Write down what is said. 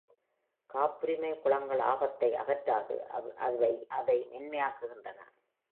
காப்புரிமை குளங்கள் ஆபத்தை அகற்றாது, அவை அதை மென்மையாக்குகின்றன.